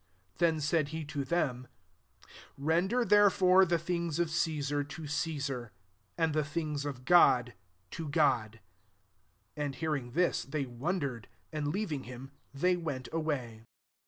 Then said he to them, " Render therefore the things of Cesar, to Cesar ; and the things of God, to God." 22 hjA hearing tkisf they wonder* sd; and leaving him, they went iway.